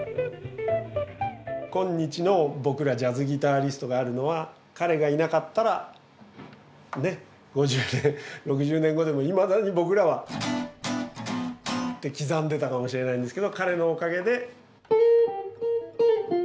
今日の僕らジャズギタリストがあるのは彼がいなかったらねっ５０年６０年後でもいまだに僕らはって刻んでたかもしれないんですけど彼のおかげで。